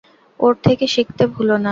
ওর থেকে শিখতে ভুলো না।